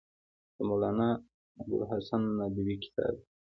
دا مولانا ابوالحسن ندوي کتاب دی.